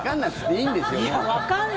いや、わかんない。